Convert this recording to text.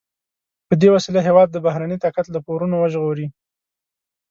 په دې وسیله هېواد د بهرني طاقت له پورونو وژغوري.